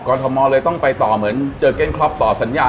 ทมเลยต้องไปต่อเหมือนเจอเก้นคล็อปต่อสัญญา